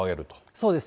そうです。